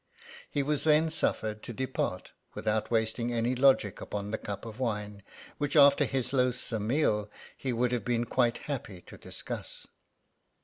He was then suffered to depart, without wasting any logic upon the cup of wine, which after his loathsome meal he would have been quite happy to discuss.